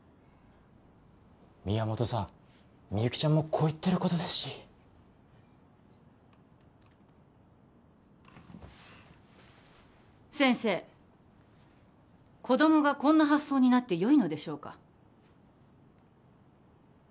宮本さんみゆきちゃんもこう言ってることですし先生子供がこんな発想になってよいのでしょうか？